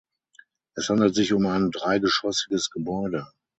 Es handelt sich um ein dreigeschossiges Gebäude.